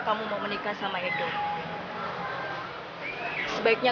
kamu gak akan lupa sama aku